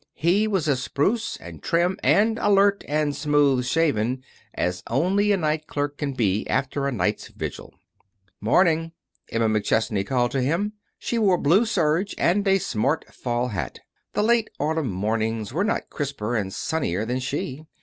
He was as spruce and trim, and alert and smooth shaven as only a night clerk can be after a night's vigil. "'Morning!" Emma McChesney called to him. She wore blue serge, and a smart fall hat. The late autumn morning was not crisper and sunnier than she.